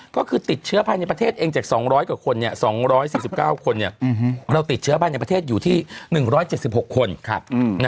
ก็คือติดเชื้อภายในประเทศเองจาก๒๐๐กว่าคน๒๔๙คนเราติดเชื้อภายในประเทศอยู่ที่๑๗๖คน